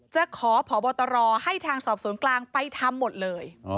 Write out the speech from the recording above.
จะขอพบตรให้ทางสอบสวนกลางไปทำหมดเลย